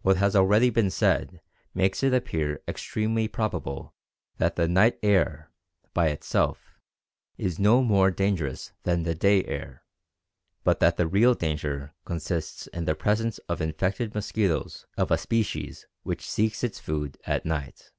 What has already been said makes it appear extremely probable that the "night air," by itself, is no more dangerous than the day air, but that the real danger consists in the presence of infected mosquitoes of a species which seeks its food at night.